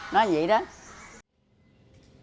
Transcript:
nó như vậy đó